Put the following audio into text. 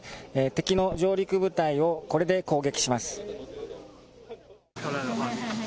敵の上陸部隊をこれで攻撃します。